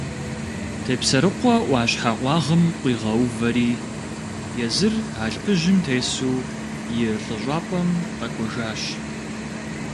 Тепсэрыкъуэ Ӏуащхьэ къуагъым къуигъэувэри езыр алъпыжьым тесу и лӀыщӀапӀэм къэкӀуэжащ.